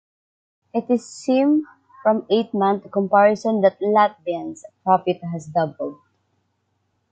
It is seen from eight month comparison that Latvians profit has doubled.